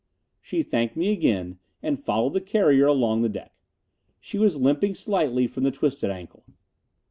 She thanked me again and followed the carrier along the deck. She was limping slightly from the twisted ankle.